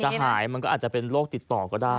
หายมันก็อาจจะเป็นโรคติดต่อก็ได้